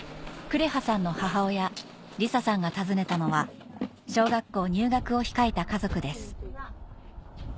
くれはさんの母親理沙さんが訪ねたのは小学校入学を控えた家族です